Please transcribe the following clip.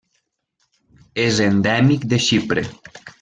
És endèmic de Xipre.